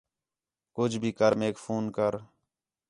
کُج بھی کر میک فون کر